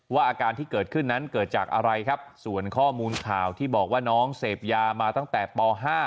อาการที่เกิดขึ้นนั้นเกิดจากอะไรครับส่วนข้อมูลข่าวที่บอกว่าน้องเสพยามาตั้งแต่ป๕